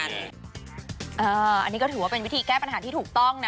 อันนี้ก็ถือว่าเป็นวิธีแก้ปัญหาที่ถูกต้องนะ